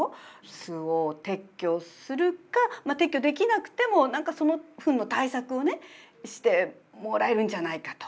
巣を撤去するか撤去できなくても何かそのフンの対策をねしてもらえるんじゃないかと。